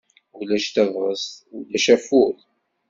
Ulac tabɣest, ulac afud.